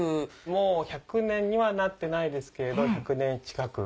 もう１００年にはなってないですけれど１００年近く。